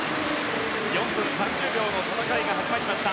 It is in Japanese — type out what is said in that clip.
４分３０秒の戦いが始まりました。